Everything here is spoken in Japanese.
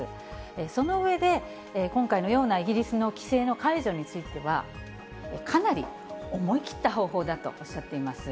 その上で、今回のようなイギリスの規制の解除については、かなり思い切った方法だとおっしゃっています。